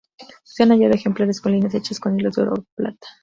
Se han hallado ejemplares con líneas hechas con hilos de oro o plata.